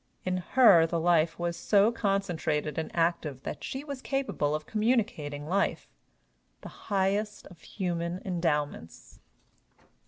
In her the life was so concentrated and active that she was capable of communicating life the highest of human endowments.